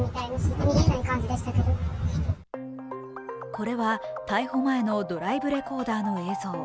これは逮捕前のドライブレコーダーの映像。